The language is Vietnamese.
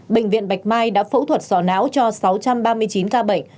bệnh viện bạch mai đã phẫu thuật sò não cho sáu trăm ba mươi chín ca bệnh